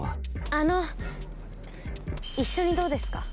あの・一緒にどうですか？